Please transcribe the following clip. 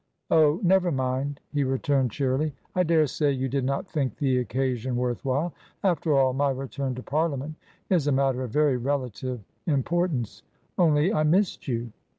" Oh, never mind !" he returned, cheerily ;" I daresay you did not think the occasion worth while. After all, my return to Parliament is a matter of very relative importance. Only I missed you."